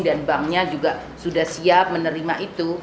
dan banknya juga sudah siap menerima itu